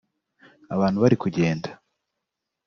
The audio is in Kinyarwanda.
abantu bari kugenda